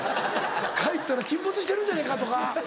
帰ったら沈没してるんじゃないか」とか。